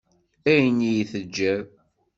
Ayen i yi-teǧǧiḍ.